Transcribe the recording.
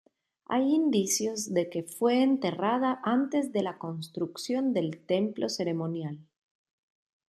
Hay indicios de que fue enterrada antes de la construcción del templo ceremonial.